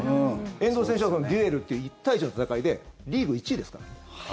遠藤選手はデュエルっていう１対１の戦いでリーグ１位ですからね。